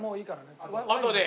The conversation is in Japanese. あとで。